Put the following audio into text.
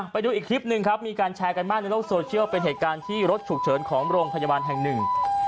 ไปดูอีกคลิปหนึ่งครับมีการแชร์กันมากในโลกโซเชียลเป็นเหตุการณ์ที่รถฉุกเฉินของโรงพยาบาลแห่งหนึ่ง